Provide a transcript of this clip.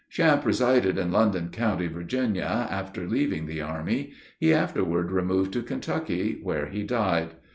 Champe resided in London county, Virginia, after leaving the army. He afterward removed to Kentucky, where he died.